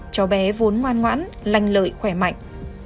cháu bé vốn ngoan ngoãn lành lợi khỏe mạnh